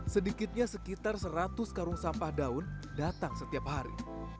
sedikitnya sekitar seratus karung sampah daun datang setiap hari